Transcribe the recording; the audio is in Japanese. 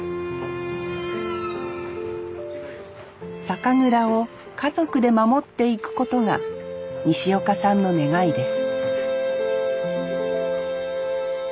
酒蔵を家族で守っていくことが西岡さんの願いです